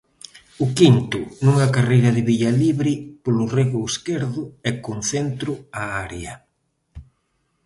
O quinto, nunha carreira de Villalibre polo rego esquerdo e con centro á área.